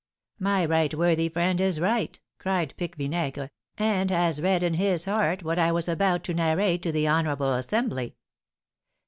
'" "My right worthy friend is right," cried Pique Vinaigre, "and has read in his heart what I was about to narrate to the honourable assembly.